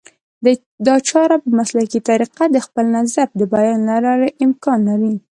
دا چاره په مسلکي طریقه د خپل نظر د بیان له لارې امکان لري